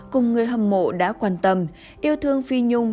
cùng người hâm mộ đã quan tâm yêu thương phi nhung